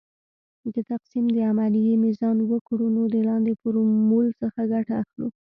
د تقسیم د عملیې میزان وکړو نو د لاندې فورمول څخه ګټه اخلو .